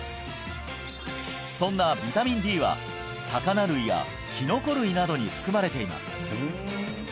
そんなビタミンＤは魚類やきのこ類などに含まれています